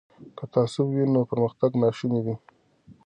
که تعصب وي نو پرمختګ ناشونی دی.